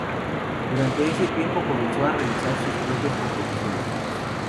Durante este tiempo comenzó a realizar sus propias composiciones.